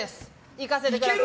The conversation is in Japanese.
いかせてください。